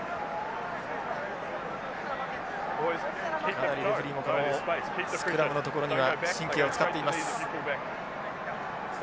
かなりレフリーもスクラムのところには神経を遣っています。